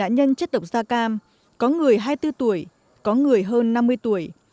bảy mươi bảy nạn nhân chất độc da cam có người hai mươi bốn tuổi có người hơn năm mươi tuổi